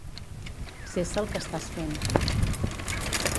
Cessa el que estàs fent.